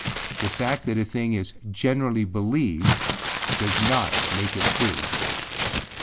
The fact that a thing is generally believed does not make it true.